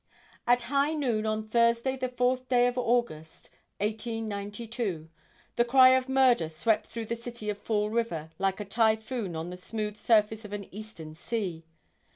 At high noon on Thursday the fourth day of August, 1892, the cry of murder swept through the city of Fall River like a typhoon on the smooth surface of an eastern sea.